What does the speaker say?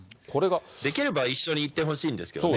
できれば一緒に行ってほしいんですけどね。